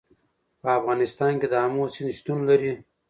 په افغانستان کې د آمو سیند شتون لري.